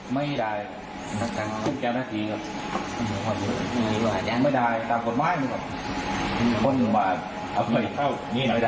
ไม่ได้นักการแก้วหน้าทีก็ไม่ได้ตามกฎไหว้มันก็ไม่ได้